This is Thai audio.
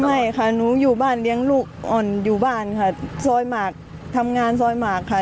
ไม่ค่ะหนูอยู่บ้านเลี้ยงลูกอ่อนอยู่บ้านค่ะซอยหมากทำงานซอยหมากค่ะ